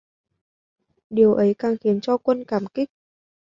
Điều ấy càng khiến cho quân cảm kích